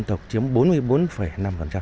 tộc chiếm bốn mươi bốn năm